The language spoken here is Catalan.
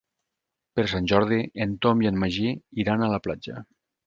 Per Sant Jordi en Tom i en Magí iran a la platja.